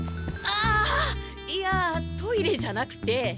あいやトイレじゃなくて。